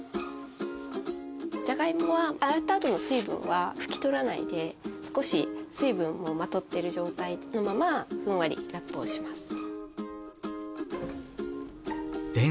じゃがいもは洗ったあとの水分は拭き取らないで少し水分をまとっている状態のままふんわりラップをします。